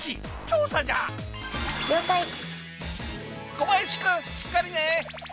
小林君しっかりね！